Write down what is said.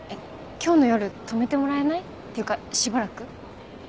今日の夜泊めてもらえない？っていうかしばらく。